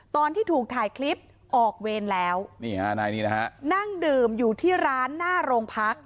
ตอนที่ถูกถ่ายคลิปออกเวรแล้วนี่ฮะนายนี้นะฮะนั่งดื่มอยู่ที่ร้านหน้าโรงพัก